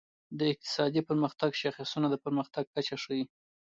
د اقتصادي پرمختګ شاخصونه د پرمختګ کچه ښيي.